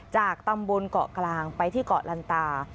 จากตำบลเกาะกลางไปที่เกาะลันตา